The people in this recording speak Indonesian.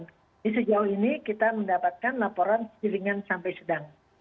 jadi sejauh ini kita mendapatkan laporan ringan sampai sedang